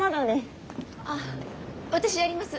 あっ私やります。